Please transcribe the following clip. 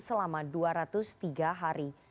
selama dua ratus tiga hari